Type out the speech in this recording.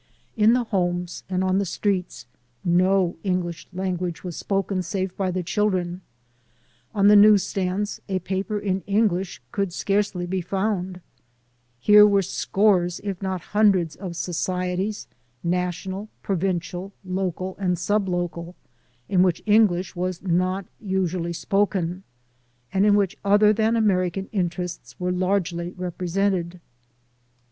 In the homes and on the streets no English language was spoken save by the children ; on the newsstands a paper in English could scarcely be found ; here were scores if not hundreds of societies, national, provincial, local and sub local, in which English was not usually spoken and in which other than 230THE SOUL OF AN IMMIGRANT American interests were largely represented.